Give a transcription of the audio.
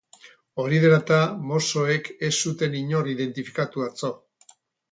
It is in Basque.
Hori dela eta, mossoek ez zuten inor identifikatu atzo.